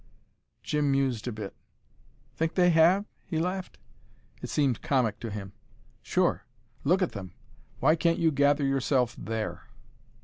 Jim mused a bit. "Think they have?" he laughed. It seemed comic to him. "Sure! Look at them. Why can't you gather yourself there?"